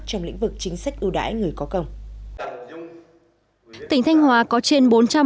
trong lĩnh vực chính sách ưu đãi người có công